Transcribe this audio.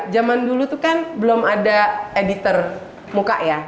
zaman dulu itu kan belum ada editor muka ya